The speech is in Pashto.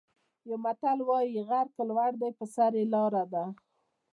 یو متل وايي: غر که لوړ دی په سر یې لاره ده.